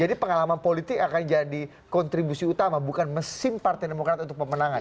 jadi pengalaman politik akan jadi kontribusi utama bukan mesin partai demokrat untuk pemenangan